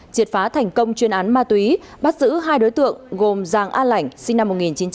triệt phá thành công chuyên án ma túy bắt giữ hai đối tượng gồm giàng a lảnh sinh năm một nghìn chín trăm tám mươi